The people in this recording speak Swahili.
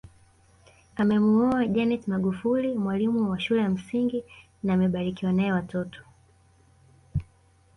Amemuoa Janet Magufuli mwalimu wa shule ya msingi na amebarikiwa nae watoto